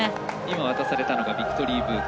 渡されたのがビクトリーブーケ。